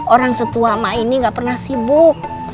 orang setua ma ini gak pernah sibuk